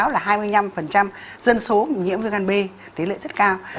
là hai mươi năm dân số nhiễm viêm gan b tỷ lệ rất cao